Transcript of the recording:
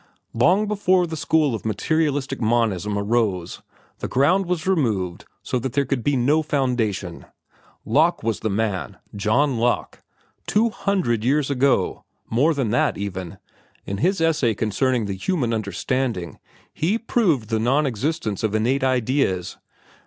Long before the school of materialistic monism arose, the ground was removed so that there could be no foundation. Locke was the man, John Locke. Two hundred years ago—more than that, even in his 'Essay concerning the Human Understanding,' he proved the non existence of innate ideas.